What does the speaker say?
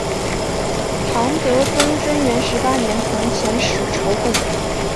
唐德宗贞元十八年曾遣使朝贡。